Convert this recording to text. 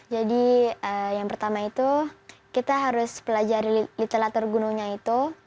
jadi yang pertama itu kita harus pelajari literatur gunungnya itu